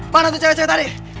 mana tuh cewek cewek tadi